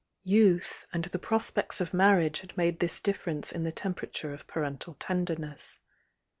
Youth and the prospects of marriage had made this difference in the temperature of parental tenderness.